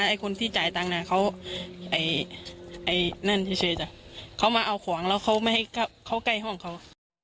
ไอ้คนที่จ่ายตังค์นะเขามาเอาขวางแล้วเขาไม่ให้เข้าใกล้ห้องเขา